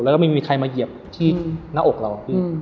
แล้วก็ไม่มีใครมาเหยียบที่หน้าอกเรา